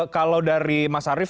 kalau dari mas arief